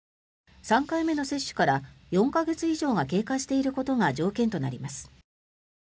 ３回目の接種から４か月以上が経過していることが条件となります。